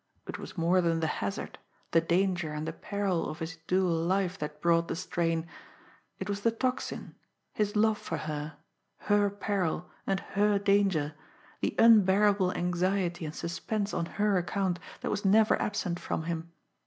It was more than the hazard, the danger and the peril of his dual life that brought the strain it was the Tocsin, his love for her, her peril and her danger, the unbearable anxiety and suspense on her account that was never absent from him.